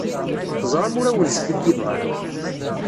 Teẓṛam ur awen-skiddibeɣ ara.